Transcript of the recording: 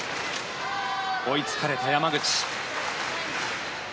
追いつかれた山口。